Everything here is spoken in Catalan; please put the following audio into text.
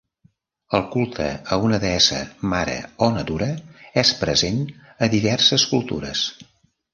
El culte a una deessa mare o natura és present a diverses cultures.